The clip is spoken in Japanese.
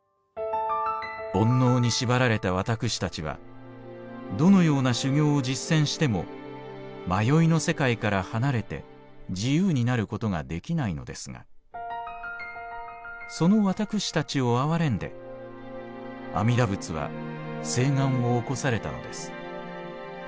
「煩悩に縛られた私たちはどのような修行を実践しても迷いの世界から離れて自由になることができないのですがその私たちを憐れんで阿弥陀仏は誓願を起こされたのです。